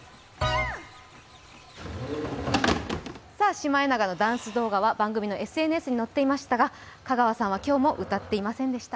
シマエナガのダンス動画は番組のＳＮＳ動画に載っていますが香川さんは今日も歌っていませんでした。